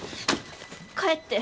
帰って。